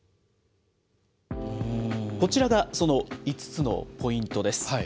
こちらがその５つのポイントです。